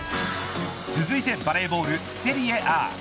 続いてバレーボールセリエＡ。